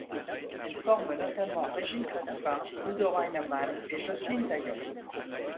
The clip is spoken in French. Elle forme notamment Régine Crespin, Udo Reinemann et Jocelyne Taillon.